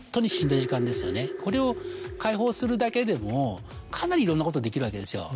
これを解放するだけでもかなりいろんなことできるわけですよ。